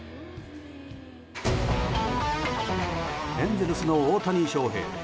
エンゼルスの大谷翔平。